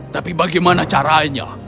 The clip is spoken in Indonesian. tapi bagaimana caranya